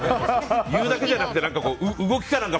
言うだけじゃなくて動きか